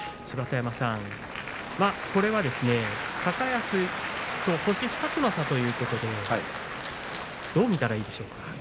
芝田山さん、これは高安と星２つの差ということでどう見たらいいでしょうか？